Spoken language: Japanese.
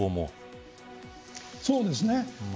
そうですね。